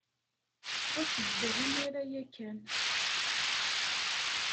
Ɣas bdu imir-a ya kan.